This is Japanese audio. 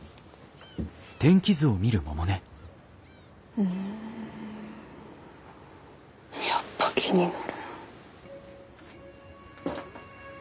うんやっぱ気になるな。